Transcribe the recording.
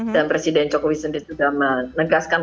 dan presiden joko widzinski sudah menegaskan